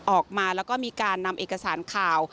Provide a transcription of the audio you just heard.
ออกมาแล้วก็มีการนำเอกสารข่าว